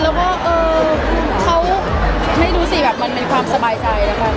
แล้วคราวให้รู้สิว่ามันเป็นความสบายใจ